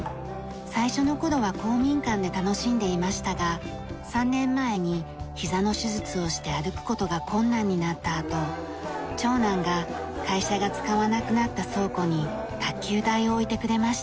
最初の頃は公民館で楽しんでいましたが３年前にひざの手術をして歩く事が困難になったあと長男が会社が使わなくなった倉庫に卓球台を置いてくれました。